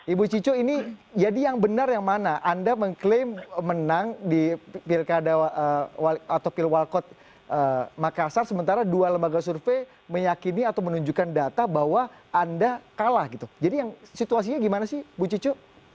ibu cicu ini jadi yang benar yang mana anda mengklaim menang di pilkada atau pilwalkot makassar sementara dua lembaga survei meyakini atau menunjukkan data bahwa anda kalah gitu jadi yang situasinya gimana sih bu cicu